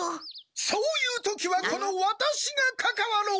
・そういう時はこのワタシがかかわろう！